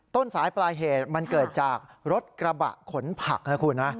ต้นสายปลายเหตุมันเกิดจากรถกระบะขนผักนะคุณนะ